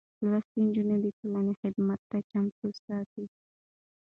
لوستې نجونې د ټولنې خدمت ته چمتو ساتي.